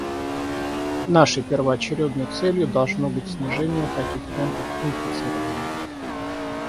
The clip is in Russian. Нашей первоочередной целью должно быть снижение таких темпов инфицирования.